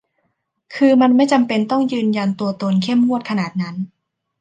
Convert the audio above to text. คือมันไม่จำเป็นต้องยืนยันตัวตนเข้มงวดขนาดนั้น